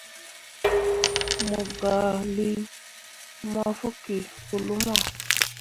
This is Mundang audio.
Mo gah lii mafokki pu luma.